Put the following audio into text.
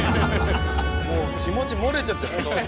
もう気持ち漏れちゃってる。